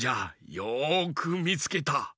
よくみつけた。